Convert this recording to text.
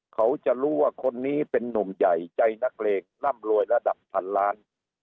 เขาจะรู้ว่าคนนี้เป็นนุ่มใหญ่ใจนักเลงร่ำรวยระดับพันล้าน